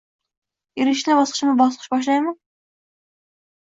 Erishishni bosqichma-bosqich boshlaymi.